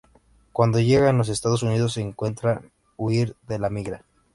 Cuando llega en los Estados Unidos se encuentra huir de la migra.